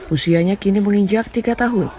usianya kini menginjak tiga tahun